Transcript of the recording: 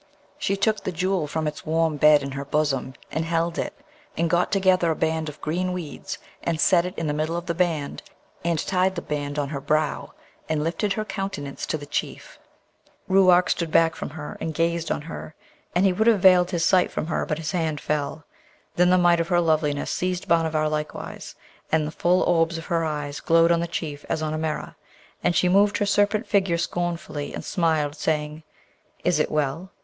She took the Jewel from its warm bed in her bosom, and held it, and got together a band of green weeds, and set it in the middle of the band, and tied the band on her brow, and lifted her countenance to the Chief. Ruark stood back from her and gazed on her; and he would have veiled his sight from her, but his hand fell. Then the might of her loveliness seized Bhanavar likewise, and the full orbs of her eyes glowed on the Chief as on a mirror, and she moved her serpent figure scornfully, and smiled, saying, 'Is it well?'